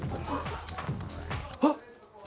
あっ。